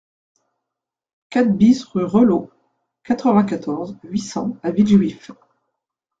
quatre BIS rue Reulos, quatre-vingt-quatorze, huit cents à Villejuif